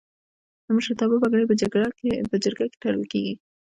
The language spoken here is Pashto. د مشرتابه پګړۍ په جرګه کې تړل کیږي.